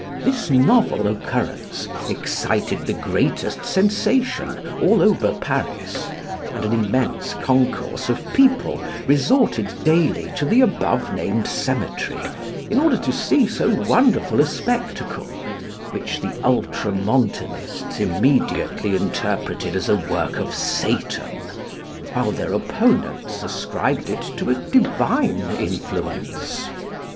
This novel occurrence excited the greatest sensation all over Paris, and an immense concourse of people resorted daily to the above named cemetery in order to see so wonderful a spectacle, which the Ultramontanists immediately interpreted as a work of Satan, while their opponents ascribed it to a divine influence.